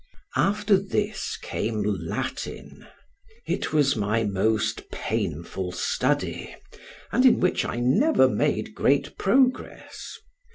After this came Latin: it was my most painful study, and in which I never made great progress.